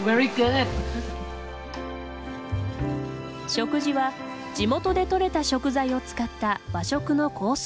食事は地元で取れた食材を使った和食のコース